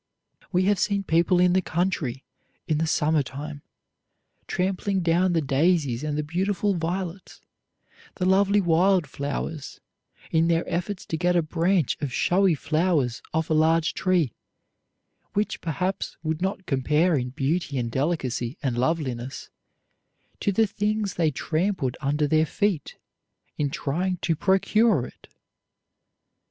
We have seen people in the country in the summer time trampling down the daisies and the beautiful violets, the lovely wild flowers in their efforts to get a branch of showy flowers off a large tree, which, perhaps, would not compare in beauty and delicacy and loveliness to the things they trampled under their feet in trying to procure it.